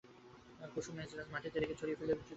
কুমু এসরাজ মাটিতে রেখে ছড়ি ফেলে চুপ করে রইল।